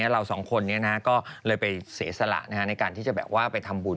เราสองคนนี้ก็เลยไปเสียสละในการที่จะแบบว่าไปทำบุญ